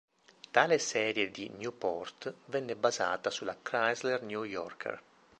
Tale serie di Newport venne basata sulla Chrysler New Yorker.